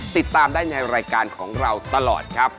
ติดตามได้ในรายการของเราตลอดครับ